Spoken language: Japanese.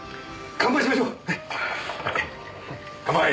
乾杯！